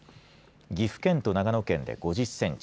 岐阜県と長野県で５０センチ